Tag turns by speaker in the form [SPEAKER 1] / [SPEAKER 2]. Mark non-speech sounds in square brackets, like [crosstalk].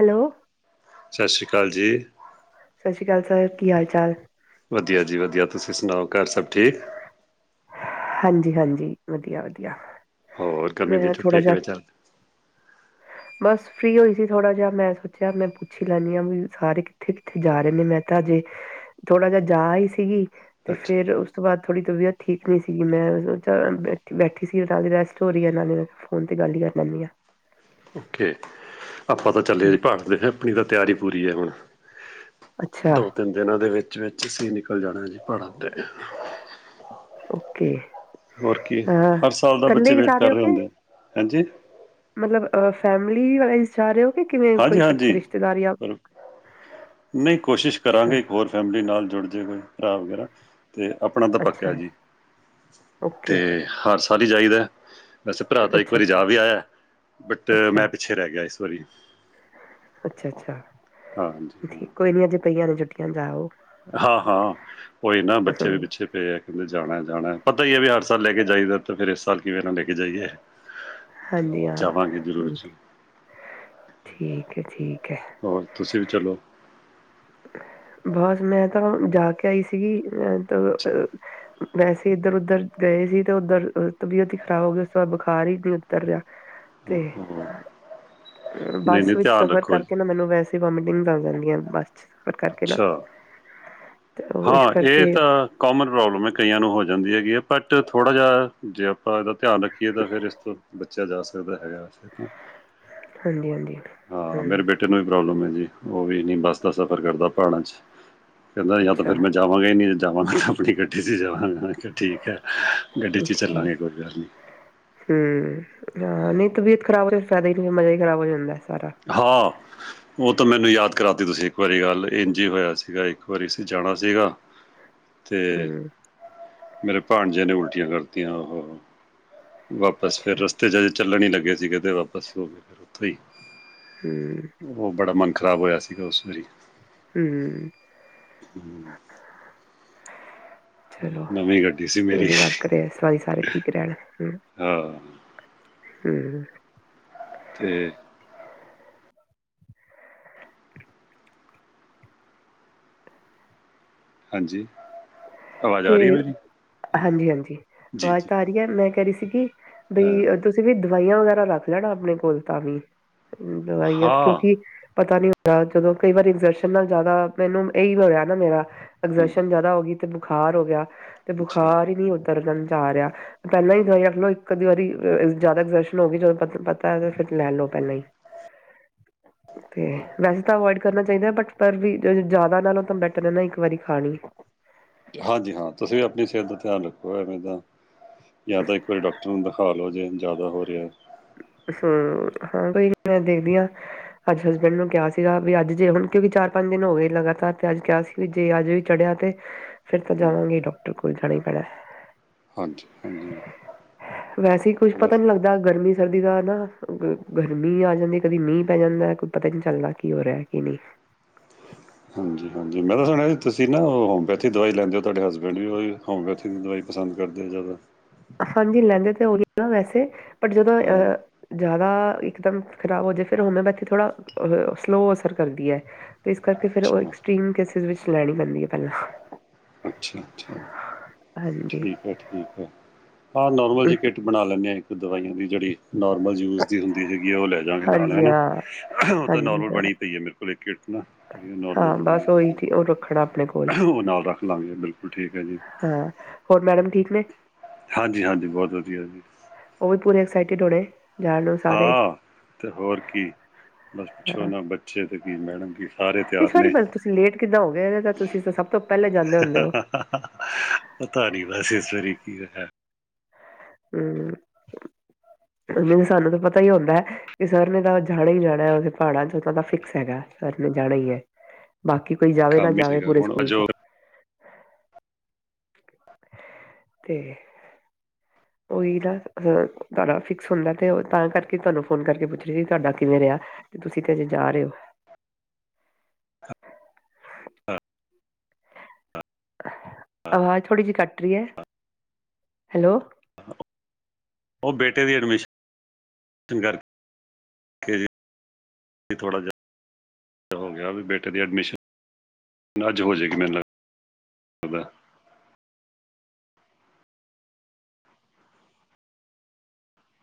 [SPEAKER 1] Hello
[SPEAKER 2] ਸਤਿ ਸ਼੍ਰੀ ਅਕਾਲ ਜੀ।
[SPEAKER 1] ਸਤਿ ਸ਼੍ਰੀ ਅਕਾਲ ਸਰ ਕੀ ਹਾਲ ਚਾਲ।
[SPEAKER 2] ਵਧੀਆ ਜੀ ਵਧੀਆ ਤੁਸੀਂ ਸੁਣਾਓ ਘਰ ਸਭ ਠੀਕ।
[SPEAKER 1] ਹਾਂਜੀ-ਹਾਂਜੀ ਵਧੀਆ-ਵਧੀਆ
[SPEAKER 2] ਹੋਰ ਗਰਮੀ ਦੀਆਂ
[SPEAKER 1] ਮੈਂ ਥੋੜਾ
[SPEAKER 2] ਛੁੱਟੀਆਂ
[SPEAKER 1] ਜਿਹਾ
[SPEAKER 2] ਕਿਵੇਂ ਚੱਲ
[SPEAKER 1] ਬਸ ਫਰੀ ਹੋਈ ਸੀ ਥੋੜਾ ਜਿਹਾ ਮੈਂ ਸੋਚਿਆ ਮੈਂ ਪੁੱਛ ਲੈਂਣੀ ਆਂ ਵੀ ਸਾਰੇ ਕਿੱਥੇ-ਕਿੱਥੇ ਜਾ ਰਏ ਨੇ ਮੈਂ ਤਾਂ ਹਜੇ ਥੋੜਾ ਜਿਹਾ ਜਾ ਆਈ ਸੀਗੀ। ਤੇ
[SPEAKER 2] ਅੱਛਾ
[SPEAKER 1] ਫਿਰ ਉਸ ਤੋਂ ਬਾਅਦ ਥੋੜ੍ਹੀ ਤਬੀਅਤ ਠੀਕ ਨਈ ਸੀ। ਕਿ ਮੈਂ ਬੈਠੀ-ਬੈਠੀ ਸੀ ਨਾਲ ਦੀ ਰੈਸਟ ਹੋ ਰਹੀ ਹੈ ਨਾਲੇ ਮੈਂ ਫੋਨ ਤੇ ਗੱਲ ਹੀ ਕਰ ਲੈਂ ਣੀ ਆਂ।
[SPEAKER 2] ਓਕੇ ਆਪਾਂ ਤਾਂ ਚੱਲੇ ਜੀ ਪਹਾੜ ਤੇ ਆਪਣੀ ਤਾਂ ਤਿਆਰੀ ਪੂਰੀ ਹੈ ਹੁਣ
[SPEAKER 1] ਅੱਛਾ,
[SPEAKER 2] ਦੋ ਤਿੰਨ ਦਿਨਾਂ ਦੇ ਵਿੱਚ ਵਿਚ ਅਸੀਂ ਨਿਕਲ ਜਾਣਾ ਜੀ ਪਹਾੜਾਂ ਤੇ
[SPEAKER 1] ਓਕੇ
[SPEAKER 2] ਹੋਰ ਕੀ
[SPEAKER 1] ਅ
[SPEAKER 2] ਹਰ ਸਾਲ ਦਾ
[SPEAKER 1] ਕੱਲੇ
[SPEAKER 2] ਬੱਚੇ
[SPEAKER 1] ਈ
[SPEAKER 2] ਵੇਟ
[SPEAKER 1] ਜਾ ਰਹੇ
[SPEAKER 2] ਕਰ
[SPEAKER 1] ਓ
[SPEAKER 2] ਰਏ
[SPEAKER 1] ਕੇ
[SPEAKER 2] ਹੁੰਦੇ ਇਥੇ
[SPEAKER 1] ਮਤਲਬ ਅ ਫੈਮਲੀ ਵਾਈਜ਼ ਜਾ ਰਏ ਓ ਕਿ ਕਿਵੇਂ ਕੋਈ ਇਕੱਠੇ
[SPEAKER 2] ਹਾਂਜੀ-ਹਾਂਜੀ
[SPEAKER 1] ਰਿਸ਼ਤੇਦਾਰ ਜਾਂ
[SPEAKER 2] ਪਰ ਨਈ ਕੋਸ਼ਿਸ਼ ਕਰਾਂਗੇ ਇੱਕ
[SPEAKER 1] ਅੱਛਾ-ਅੱਛਾ,
[SPEAKER 2] ਹੋਰ ਫੈਮਲੀ ਨਾਲ ਜੁੜ ਜੇ ਕੋਈ ਭਰਾ ਵਗੈਰਾ ਤੇ ਆਪਣਾ ਤਾਂ ਪੱਕਾ ਜੀ ਤੇ
[SPEAKER 1] ਓਕੇ
[SPEAKER 2] ਹਰ ਸਾਲ ਹੀ ਜਾਈਦਾ। ਵੈਸੇ ਭਰਾ ਤਾਂ ਇੱਕ
[SPEAKER 1] ਅੱਛਾ।
[SPEAKER 2] ਵਾਰੀ ਜਾ ਵੀ ਆਇਆ ਬਟ ਮੈਂ ਪਿੱਛੇ ਰਹਿ ਗਿਆ ਇਸ ਵਰੀ
[SPEAKER 1] ਅੱਛਾ-ਅੱਛਾ
[SPEAKER 2] ਹਾਂਜੀ ਹਾਂ
[SPEAKER 1] ਠੀਕ ਕੋਈ ਨੀ ਅਜੇ ਪਈਆਂ ਨੇ ਛੁੱਟੀਆਂ ਜਾ ਆਉ।
[SPEAKER 2] ਹਾਂ-ਹਾਂ ਉਹੀ ਨਾ ਬੱਚੇ ਵੀ
[SPEAKER 1] ਹਮ,
[SPEAKER 2] ਪਿੱਛੇ ਫਿਰ ਕੈਂਦੇ ਜਾਣਾ ਜਾਣਾ ਪਤਾ ਹੀ ਹੈ ਵੀ ਹਰ ਸਾਲ ਲੈ ਕੇ ਜਾਈਦਾ ਤਾਂ ਫਿਰ ਇਸ ਸਾਲ ਕਿਵੇਂ ਨਾ ਲੈ ਕੇ ਜਾਈਏ।
[SPEAKER 1] ਹਾਂਜੀ
[SPEAKER 2] ਜਾਵਾਂਗੇ
[SPEAKER 1] ਹਾਂ
[SPEAKER 2] ਜ਼ਰੂਰ ਜੀ
[SPEAKER 1] ਠੀਕ ਹੈ ਠੀਕ ਹੈ।
[SPEAKER 2] ਹੋਰ ਤੁਸੀਂ ਵੀ ਚਲੋ।
[SPEAKER 1] ਬਸ ਮੈਂ ਤਾਂ ਜਾ ਕੇ ਆਈ ਸੀਗੀ ਅ ਤ ਅ ਵੈਸੇ ਏਧਰ ਉੱਧਰ ਗਏ ਸੀ ਤੇ ਉੱਧਰ ਤਬੀਅਤ ਹੀ ਖ਼ਰਾਬ ਹੋ ਗਈ, ਉਸ ਤੋਂ ਬਾਅਦ ਬੁਖ਼ਾਰ ਹੀ ਨਹੀਂ ਉਤਰ ਰੇਹਾ। ਤੇ
[SPEAKER 2] ਓਹੋ ਨਹੀਂ-ਨਹੀਂ
[SPEAKER 1] ਬੱਸ ਵਿੱਚ
[SPEAKER 2] ਧਿਆਨ
[SPEAKER 1] ਸਫ਼ਰ
[SPEAKER 2] ਰੱਖੋ ਜੀ
[SPEAKER 1] ਕਰਕੇ ਨਾ ਮੈਨੂੰ ਵੈਸ ਵੋਮਿਟਿੰਗਜ਼ ਆ ਜਾਂਦੀਆਂ ਬੱਸ ਚ, ਸਫ਼ਰ ਕਰਕੇ ਨਾ।
[SPEAKER 2] ਅੱਛਾ
[SPEAKER 1] ਤੇ ਉਹ
[SPEAKER 2] ਹਾਂ
[SPEAKER 1] ਇਸ
[SPEAKER 2] ਏਹ
[SPEAKER 1] ਕਰਕੇ
[SPEAKER 2] ਤਾਂ ਕੋਮਨ ਪ੍ਰੋਬਲਮ ਏ ਕਈਆਂ ਨੂੰ ਹੋ ਜਾਂਦੀ ਹੈਗੀ ਏ, ਬਟ ਥੋੜ੍ਹਾ ਜੇਹਾ ਜੇ ਆਂ ਏਹਦਾ ਧੇਆਨ ਰੱਖੀਏ ਤਾਂ ਫਿਰ ਇਸ ਤੋਂ ਬੱਚੇਯਾ ਜਾ ਸਕਦਾ ਹੈਗਾ।
[SPEAKER 1] ਹਾਂਜੀ-ਹਾਂਜੀ, ਹਮ।
[SPEAKER 2] ਤੇਨੂੰ ਵੀ ਪ੍ਰੋਬਲਮ ਹੈ ਜੀ, ਉਹ ਵੀ ਨੀ ਬੱਸ ਦਾ ਸਫ਼ਰ ਕਰਦਾ ਪਹਾੜਾਂ ਚੱ, ਕੇਹੰਦਾ ਯਾ
[SPEAKER 1] ਅੱਛਾ
[SPEAKER 2] ਜਾਵਾਂਗੇ ਨੀ, ਜੇ ਜਾਵਾਂਗਾ ਤੇ ਆਪਣੀ ਗੱਡੀ ਚੱ ਜਾਵਾਂ ਠੀਕ ਹੈ ਗੱਡੀ ਚ ਚੱਲਾਂਗੇ, ਕੋਈ ਗੱਲ ਨਹੀਂ।
[SPEAKER 1] ਹਮ ਹਾਂ ਨਹੀਂ ਤਬੀਅਤ ਖ਼ਰਾਬ ਹੋਏ ਫਾਏਦਾ ਹੀ ਨਹੀਂ, ਮਜ਼ਾ ਹੀ ਖਰਾਬ ਹੋ ਜਾਂਦਾ ਸਾਰਾ।
[SPEAKER 2] ਹਾਂ। ਉਹ ਤਾਂ ਮੈਨੂੰ ਯਾਦ ਕਰਾਤੀ ਤੁਸੀਂ ਇੱਕ ਵਾਰੀ ਗੱਲ, ਇੰਝ ਹੀ ਹੋਇਆ ਸੀਗਾ, ਇੱਕ ਵਾਰੀ ਅਸੀ ਜਾਣਾ ਸੀਗਾ
[SPEAKER 1] [inaudible]
[SPEAKER 2] ਤੇ
[SPEAKER 1] ਹੂੰ
[SPEAKER 2] ਮੇਰੇ ਭਾਂਜੇ ਨੇ ਉਲਟੀਆਂ ਕਰਤੀਆਂ ਹੋ-ਹੋ-ਹੋ। ਵਾਪਸ ਫੇਰ
[SPEAKER 1] ਅੱਛਾ
[SPEAKER 2] ਰਸਤੇ ਚੱ ਅਜੇ ਚੱਲਣ ਈ ਲੱਗੇ ਸੀਗੇ ਤੇ ਵਾਪਸ ਹੋ ਗਏ ਉੱਥੋਂ ਹੀ।
[SPEAKER 1] ਹਮ।
[SPEAKER 2] ਉਹ ਬੜਾ ਮਂਨ ਖਰਾਬ ਹੋਏਆ ਸੀਗਾ ਉਸ ਵਾਰੀ।
[SPEAKER 1] ਹਮ।
[SPEAKER 2] ਹਮ,
[SPEAKER 1] ਚਲੋ
[SPEAKER 2] ਨਵੀਂ ਗੱਡੀ ਸੀ
[SPEAKER 1] ਏਹ
[SPEAKER 2] ਮੇਰੀ
[SPEAKER 1] ਨੀ ਰਬ ਕਰੇ ਐਸ ਵਾਰੀ ਸਾਰੇ ਠੀਕ ਰੇਹਣ, ਹਮ।
[SPEAKER 2] ਹਾਂ।
[SPEAKER 1] ਹਮ।
[SPEAKER 2] ਤੇ ਹਾਂਜੀ? ਆਵਾਜ਼
[SPEAKER 1] ਤੇ
[SPEAKER 2] ਆ ਰਹੀ ਹੈ ਮੇਰੀ ਹਾਂ,
[SPEAKER 1] ਹਾਂਜੀ-ਹਾਂਜੀ
[SPEAKER 2] ਜੀ
[SPEAKER 1] ਆਵਾਜ਼
[SPEAKER 2] ਜੀ
[SPEAKER 1] ਤਾਂ ਦੀਗੇ, ਮੈ ਕੇਹ ਰਹੀ ਸੀਗੀ
[SPEAKER 2] ਹਾਂ
[SPEAKER 1] ਬਈ ਅ ਤੁਸੀ ਵੀ ਦਵਾਈਆਂ ਵਗੈਰਾ ਰੱਖ ਲੈਣਾ ਆਪਣੇ ਕੋਲ ਤਾਂ ਵੀ। ਦਵਾਈਆਂ ਤੇ
[SPEAKER 2] ਹਾਂ
[SPEAKER 1] ਕਿਉਂਕਿ ਪਤਾ ਨੀ ਹੁੰਦਾ, ਜਦੋ ਕਈ ਵਾਰੀ ਐਗਜਰਸ਼ਨ ਨਾਲ ਜਾਦਾ ਆਪਣੇ ਨੂੰ ਏਹੀ ਹੋਇਆ ਨਾ ਮੇਰਾ,
[SPEAKER 2] ਹਮ,
[SPEAKER 1] ਐਗਜਰਸ਼ਨ ਜਾਅਦਾ ਹੋ ਗਈ। ਤੇ ਬੁਖਾਰ ਹੋ ਗਿਆ ਤੇ
[SPEAKER 2] ਅੱਛਾ
[SPEAKER 1] ਬੁਖਾਰ ਹੀ ਨਹੀ ਉਤਰਣ ਜਾ ਰੇਆ। ਪਤਾ ਨਹੀਂ ਦਵਾਈ ਰੱਖ ਲਓ ਇਕ ਅੱਧ ਵਾਰੀ ਅ ਜਾਅਦਾ ਐਗਜਰਸ਼ਨ ਹੋ ਗਈ ਜਦੋ ਤ ਪਤਾ ਏ ਤੇ ਫੇਰ ਲੈ ਲਓ ਪੇਹਲੇ ਹੀ, ਤੇ ਵੈਸੇ ਤਾਂ ਅਵੋਇਡ ਕਰਨਾ ਚਾਹੀਦਾ, ਬਟ ਪਰ ਵੀ ਜ ਜਾਅਦਾ ਨਾਲੋ ਤਾਂ ਬੈਟਰ ਹੈ ਨਾ ਇਕ ਵਾਰੀ ਖਾਣੀ।
[SPEAKER 2] ਹਾਂਜੀ ਹਾਂ ਤੁਸੀ ਵੀ ਅਪਣੀ ਸੇਹਤ ਦਾ ਧਿਆਨ ਰੱਖੋ ਐਵੇ ਦਾਂ ਯਾ ਤਾਂ ਏਕ ਵਾਰੀ ਡੋਕਟਰ ਨੂੰ ਦੇਖਾ ਲੋ ਜੇਨ ਜਾਅਦਾ ਹੋ ਰੇਹਾ ਏ।
[SPEAKER 1] ਹੂੰ ਹਾਂ ਕੋਈ ਨੀ, ਮੈ ਦੇਖਦੀ ਆ ਅਜ ਹਸਬੈਂਡ ਨੂੰ ਕੇਹਾ ਸੀਗਾ ਵੀ ਅਜ ਜੇ ਹੁਣ ਕਿਉਕਿ ਚਾਰ ਪੰਜ ਦਿਨ ਹੋ ਗਏ ਲਗਾਤਾਰ ਤੇ ਅਜ ਕੇਹਾ ਸੀ। ਵੀ ਜੇ ਅਜ ਵੀ ਚੜੇਆ ਤੇ ਫਿਰ ਤਾਂ
[SPEAKER 2] ਹੂੰ
[SPEAKER 1] ਜਾਵਾਂਗੇ ਈ ਡੋਕਟਰ ਕੋਲ ਜਾਣਾ ਹੀ ਪੈਣਾ ਹ।
[SPEAKER 2] ਹਾਂਜੀ-ਹਾਂਜੀ।
[SPEAKER 1] ਵੈਸੇ ਈ ਕੁਛ ਪਤਾ ਨੀ ਲਗਦਾ ਗਰਮੀ ਸਰਦੀ ਦਾ ਨਾ, ਗਰਮੀ ਆ ਜਾਂਦੀ, ਕਦੀ ਮੀਂਹ ਪੈ ਜਾਂਦਾ ਕੁ ਪਤਾ ਹੀ ਨਹੀ ਚਲਦਾ ਕੀ ਹੋ ਰੇਹਾ ਕੀ ਨਹੀ? [inaudible]
[SPEAKER 2] ਹਾਂਜੀ-ਹਾਂਜੀ ਮੈ ਤਾਂ ਸੁਣੇਆ ਜੀ ਤੁਸੀ ਨਾ ਉਹ ਹੋਮਪੈਥਿਕ ਦਵਾਈ ਲੈਂਦੇ ਔ, ਤੁਹਾਡੇ ਹਸਬੈਂਡ ਵੀ ਉਹ ਵੀ ਹੋਮੋਪੈਥੀ ਦੀ ਦਵਾਈ ਪਸੰਦ ਕਰਦੇ ਓ ਜਾਅਦਾ?
[SPEAKER 1] ਹਾਂਜੀ ਲੈਂਦੇ ਤੇ ਓਹੀ ਆ ਵੈਸੇ, ਬਟ ਜਦੋ
[SPEAKER 2] ਹਾਂ
[SPEAKER 1] ਅਹ ਜਾਦਾ ਇਕਦਮ ਖਰਾਬ ਹੋ ਜੇ ਫਿਰ ਹੋਮਿਓਪੈਥੀ ਥੋੜਾ ਅ ਸਲੋਅ ਅਸਰ ਕਰਦੀ ਐ। ਤੇ ਇਸ ਕਾਰਕੇ ਫਿਰ ਓ
[SPEAKER 2] ਅੱਛਾ
[SPEAKER 1] ਐਕਸਟ੍ਰੀਮ ਕੇਸਿਸ ਵਿਚ ਲੈਣੀ ਪੈਂਦੀ ਏ ਪ੍ਹੈਲਾਂ।
[SPEAKER 2] ਅਛਾ-ਅਛਾ,
[SPEAKER 1] ਹਾਂਜੀ
[SPEAKER 2] ਠੀਕ ਐ, ਠੀਕ ਐ, ਹਾਂ ਨੋਰਮਲ ਜੀ ਕਿਟ ਬਣਾ ਲੈਂਨੇ ਆਂ, ਇੱਕ ਦਵਾਈ ਹੂਂਦੀ ਜੇੜੀ ਨੋਰਮਲ ਯੂਜ਼ ਦੀ ਹੁੰਦੀ ਹੈਗੀ ਐ, ਓ ਲੈ ਜਾਂਗੇ ਨਾਲ
[SPEAKER 1] ਹਾਂਜੀ
[SPEAKER 2] ਹੈਨਾ,
[SPEAKER 1] ਹਾਂ
[SPEAKER 2] ਓ ਤਾਂ
[SPEAKER 1] ਹਾਂਜੀ
[SPEAKER 2] ਨੋਰਮਲ
[SPEAKER 1] ਹਾਂ
[SPEAKER 2] ਬਣੀ ਪਈ ਏ ਮੇਰੇ ਕੋਲ ਕੋਲ ਇਕ ਕਿੱਟ ਨਾ, ਨੋਰਮਲ
[SPEAKER 1] ਹਾਂ
[SPEAKER 2] ਜੀ ਬਣੀ
[SPEAKER 1] ਬਸ ਉਹੀ
[SPEAKER 2] ਪਈ
[SPEAKER 1] ਠੀ- ਉਹ ਰੱਖਣਾ ਆਪਣੇ ਕੋਲ
[SPEAKER 2] ਏ, ਓ ਨਾਲ ਰਾੱਖ ਬਿਲਕੁਲ ਠੀਕ ਹੈ ਜੀ।
[SPEAKER 1] ਹਾਂ, ਹੋਰ ਮੈਡਮ ਠੀਕ ਨੇ?
[SPEAKER 2] ਹਾਂਜੀ-ਹਾਂਜੀ ਬੋਤ ਵਦੀਆ ਜੀ।
[SPEAKER 1] ਓ ਵੀ ਪੂਰੇ ਐਕਸਾਈਟਿਡ ਹੋਣੇ? ਜਾਣ ਨੂੰ ਸਾਰੇ
[SPEAKER 2] ਹਾਂ ਤੇ ਹੋਰ ਕੀ ਬਾੱਸ ਪੁੱਛੋ
[SPEAKER 1] ਹਾਂ
[SPEAKER 2] ਨਾ, ਬੱਚੇ ਤੇ ਕੀ, ਮੈਡਮ ਕੀ। ਸਾਰੇ
[SPEAKER 1] ਇਸ
[SPEAKER 2] ਤਿਆਰ
[SPEAKER 1] ਵਾਰੀ
[SPEAKER 2] ਨੇ।
[SPEAKER 1] ਬਸ ਤੂਸੀ ਲੇਟ ਕਿਦਾਂ ਹੋ ਗੇ, ਨੀ ਤਾਂ ਤੂਸੀ ਤਾਂ ਸਬ ਤੋਂ ਪ੍ਹੈਲੇ ਜਾਂਦੇ ਹੁੰਦੇ ਓ?
[SPEAKER 2] ਪਤਾ ਨੀ ਬਾੱਸ ਇਸ ਵਾਰੀ ਕੀ ਹੈਏਆ।
[SPEAKER 1] ਹੂੰ, ਨਈ ਸਾਨੂੰ ਤੇ ਪਤਾ ਈ ਹੁੰਦੈ। ਤੇ ਸਰ ਨੇ ਤਾਂ ਜਾਣਾ ਈ ਜਾਣੈ ਓਥੇ ਪਹਾੜਾਂ ਚ, ਓਦਾ ਫਿਕਸ ਹੈਗੈ ਸਰ ਨੇ ਜਾਣਾ ਈ ਐ। ਬਾਕੀ ਕੋਈ ਜਾਵੇ ਨਾ
[SPEAKER 2] ਕੰਮ ਹੀ
[SPEAKER 1] ਜਾਵੇ
[SPEAKER 2] ਸੀਗਾ
[SPEAKER 1] ਪੂਰੇ
[SPEAKER 2] ਹੁਣ
[SPEAKER 1] ਸੂਕੂਲ ਚ।
[SPEAKER 2] ਜੋ ਉਹ
[SPEAKER 1] ਤੇ ਓਈ ਨਾ ਤੂਆਡਾ ਫਿਕਸ ਹੁੰਦੈ ਤੇ ਓ ਤਾਂ ਕਾਰਕੇ ਤੂਆਨੂੰ ਫੋਨ ਕਾਰਕੇ ਪੁੱਛ ਰੀ ਸੀ, ਤੂਆਡਾ ਕਿਵੇਂ ਰੇਆ। ਤੇ ਤੂਸੀ ਤੇ ਅਜੇ ਜਾ ਰੇ ਓ। ਅਵਾਜ ਥੋੜੀ ਜੀ ਕਾੱਟ ਰੀ ਐ, ਹੈਲੋ।
[SPEAKER 2] ਓ ਬੇਟੇ ਦੀ ਐਡਮਿਸ਼ਨ [unintelligible] ਥੋੜਾ ਜਾ। ਹੋ ਗੇਆ ਵੀ ਬੇਟੇ ਦੀ ਐਡਮਿਸ਼ਨ [unintelligible] ਆੱਜ ਹੋ ਜੇਗੀ ਮੈਨ ਲਗਦੈ।